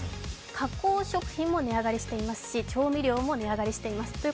加工食品も値上がりしていますし、調味料も値上がりしています。